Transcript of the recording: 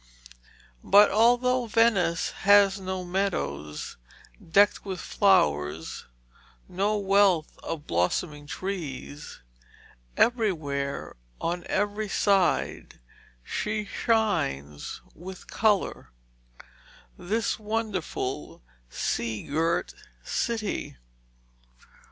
But although Venice has no meadows decked with flowers and no wealth of blossoming trees, everywhere on every side she shines with colour, this wonderful sea girt city.